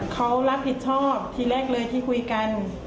เขารับผิดชอบทีแรกเลยที่คุยกัน